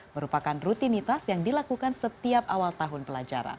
merupakan rutinitas yang dilakukan setiap awal tahun pelajaran